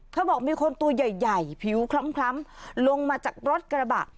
บอกมีคนตัวใหญ่ผิวคล้ำลงมาจากรถกระบะ